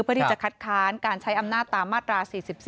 เพื่อที่จะคัดค้านการใช้อำนาจตามมาตรา๔๔